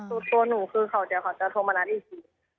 แต่ตัวหนูคือเค้าจะโทรมานัดอีกที